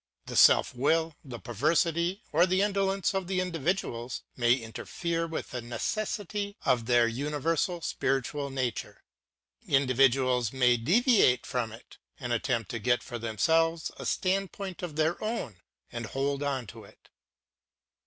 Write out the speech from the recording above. The. self will, the perversity, or the indor PHILOSOPHY OF RELIGION 5 lence of individuals may interfere with the necessity of their universal spiritual nature ; individuals may deviate from it, and attempt to get for themselves a standpoint of their own, and hold to it.